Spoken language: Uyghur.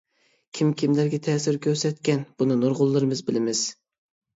كىم كىملەرگە تەسىر كۆرسەتكەن بۇنى نۇرغۇنلىرىمىز بىلىمىز.